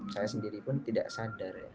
saya sendiri pun tidak sadar ya